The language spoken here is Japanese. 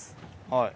はい。